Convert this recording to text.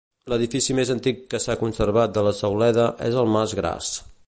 L'edifici més antic que s'ha conservat de la Sauleda és el mas Gras.